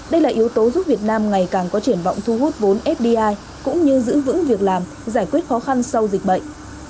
đây là yếu tố giúp việt nam ngày càng có triển vọng thu hút vốn fdi cũng như giữ vững việc làm giải quyết khó khăn sau dịch bệnh